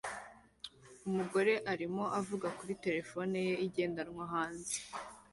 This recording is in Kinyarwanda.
Umugore arimo avugana kuri terefone ye igendanwa hanze